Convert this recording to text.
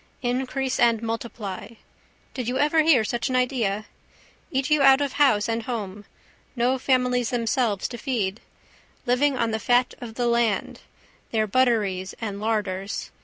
Increase and multiply. Did you ever hear such an idea? Eat you out of house and home. No families themselves to feed. Living on the fat of the land. Their butteries and larders.